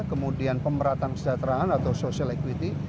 kemudian pemerataan kesejahteraan atau social equity